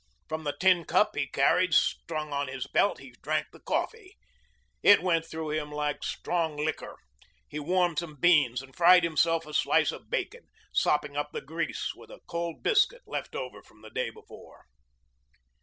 From the tin cup he carried strung on his belt he drank the coffee. It went through him like strong liquor. He warmed some beans and fried himself a slice of bacon, sopping up the grease with a cold biscuit left over from the day before.